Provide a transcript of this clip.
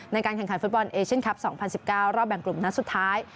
ในการแข่งขันฟุตบอลเอเชียนคลับ๒๐๑๙รอบแบ่งกลุ่มนัดสุดท้าย